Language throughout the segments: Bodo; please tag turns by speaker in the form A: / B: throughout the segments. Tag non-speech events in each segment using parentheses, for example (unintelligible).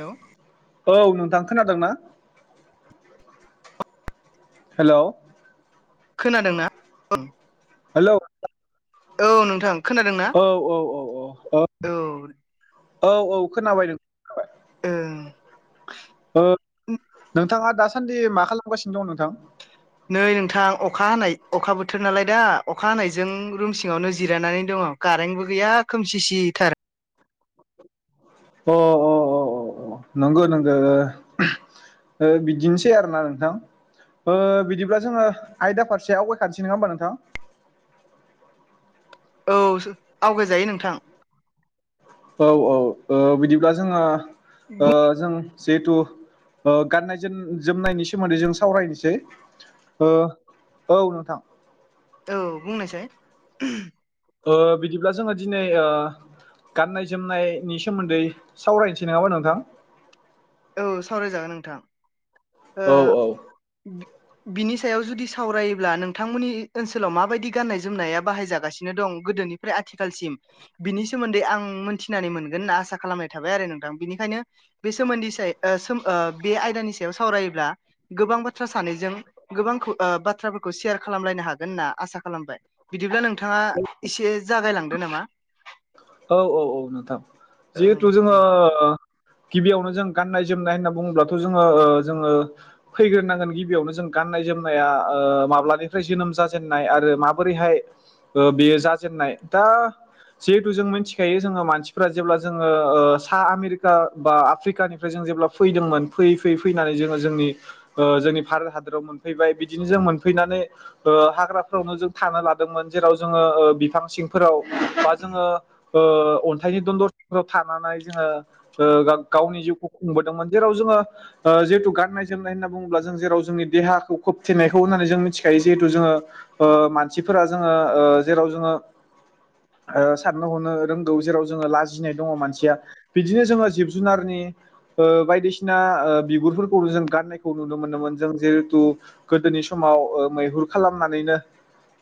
A: हेलौ
B: औ नोंथां खोनादोंना हेलौ
A: खोनादोंना औ
B: हेलौ
A: औ नोंथां खोनादोंना?
B: औ औ औ औ औ औ औ खोनाबाय नों
A: ओं
B: ओ नोंथाङा दासानदि मा खालामगासिनो दं नोंथां?
A: नै नोंथां अखा हानाय अखा बोथोर नालाय दा अखा हानायजों रुम सिङावनो जिरायनानै दङ कारेन्टबो गैया खोमसिसिथार
B: अ अ अ अ नंगौ नोंगो ओ बिदिनोसै आरोना नोंथां ओ बिदिब्ला जोङो आयदा फारसे आवगायखानोसै नङा होमबा नोंथां?
A: औ आवगायजायो नोंथां
B: औ औ ओ बिदिब्ला जोङो ओ जों जिहेथु गाननाय जोम जोमनायनि सोमोनदै जों सावरायनोसै ओ औ नोंथां
A: औ बुंनायसाय
B: ओ बिदिब्ला जोङो दिनै ओ गाननाय जोमनायनि सोमोनदै सावरायनोसै नङाबा नोंथां
A: औ सावरायजागोन नोंथां ओ
B: औ औ
A: बिनि सायाव जुदि सावरायोब्ला नोंथांमोननि ओनसोलाव माबायदि गाननाय जोमनाया बाहायजागासिनो दं गोदोनि फ्राय आथिखालसिम बिनि सोमोन्दै आं मोनथिनानै मोनगोन होनना आसा खालामनाय थाबाय आरो नोंथां बेनिखायनो बे सोमोन्दै ओ बे आयदानि सायाव सावरायोब्ला गोबां बा बाथ्रा सानैजों गोबां ओ बाथ्राफोरखौ सेयार खालामलायनो हागोन होनना आसा खालामबाय बिदिब्ला नोंथाङा एसे जागायलांदो नामा
B: औ औ औ नोंथां
A: औ
B: जिहेथु
A: दे
B: जोङो ओ गिबियावनो जों गान्नाय जोमनाय होनना बुङोब्लाथ' जोङो ओ जोङो फैग्रोनांगोन गिबियावनो जों गाननाय जोमनाया ओ माब्लानिफ्राय जोनोम जाजेननाय आरो माबोरैहाय ओ बेयो जाजेननाय दा जिहेथु मिथिखायो जोङो मानसिफ्रा जेब्ला जोङो सा आमेरिका बा आफ्रिकानि ओमफ्राय जों जेब्ला फैदोंमोन फैयै फैयै फैनानै जोङो जोंनि ओ जोंनि भारत हादराव मोनफैबाय बिदिनो जों मोनफैनानै ओ हाग्राफोरावनो जों थानो लादोंमोन जेराव ओ जोङो बिफां सिंफोराव बा जोङो ओ अनथाइनि दनदरफोराव थानानै जोङो ओ गावनि जिउखौ खुंबोदोंमोन जेराव जोङो ओ जिहेथु गाननाय जोमनाय होनना बुङोब्ला जों जेराव जोंनि देहाखौ खोबथेनायखौ होननानै जों मिथिखायो जिहेतु जोङो ओ मानसिफोरा जोङो ओ जेराव जोङो ओ साननो हनो रोंगौ जेराव जोङो लाजिनाय दङ मानसिया बिदिनो जोङो जिब जुनारनि ओ बायदिसिना ओ बिगुरफोरखौ जों गाननायखौ नुनो मोनोमोन जों जहेथु गोदोनि समाव ओ मैहुर खालामनानैनो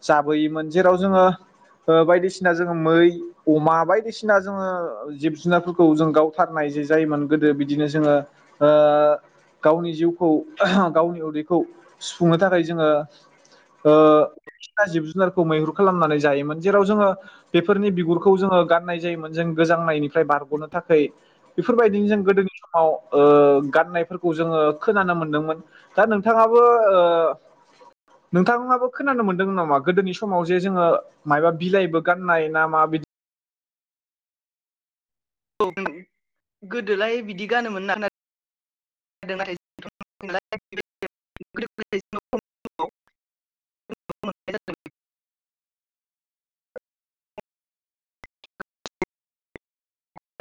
B: जाबोयोमोन जेराव जोङो ओ बायदिसिना जोङो मै अमा बायदिसिना जोङो जिब जुनारफोरखौ जों गावथारनाय जे जायोमोन गोदो बिदिनो जोङो ओ गावनि जिउखौ गावनि उदैखौ सुफुंनो थाखाय जोङो ओ बायदिसिना जिब जुनारखौ मैहुर खालामनानै जायोमोन जेराव जोङो बेफोरनि बिगु गुरखौ जोङो गाननाय जायोमोन जों गोजांनायनिफ्राय बारग'नो थाखाय बेफोरबायदिनो जों गोदोनि समाव ओ गाननायफोरखौ जोङो खोनानो मोनदोंमोन दा नोंथाङाबो ओ नोंथांङाबो खोनानो मोनदों नामा गोदोनि समाव जे जोङो मायबा बिलाइबो गाननाय ना माबा बिदि
A: औ गोदोलाय बिदि गानोमोन ना (unintelligible)